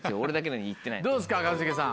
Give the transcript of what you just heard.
どうですか一茂さん。